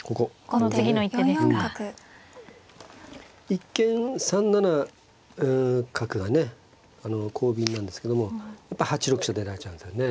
一見３七角がね幸便なんですけどもやっぱ８六飛車出られちゃうんですよね。